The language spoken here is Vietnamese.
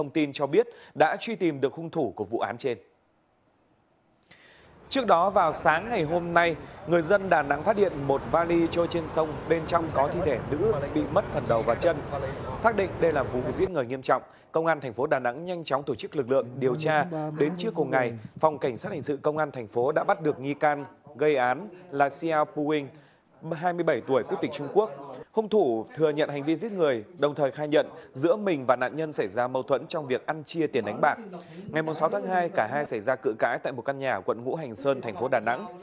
ngày sáu tháng hai cả hai xảy ra cự cãi tại một căn nhà quận ngũ hành sơn thành phố đà nẵng